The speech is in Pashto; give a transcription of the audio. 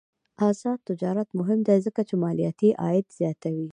آزاد تجارت مهم دی ځکه چې مالیاتي عاید زیاتوي.